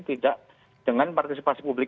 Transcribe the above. tidak dengan partisipasi publik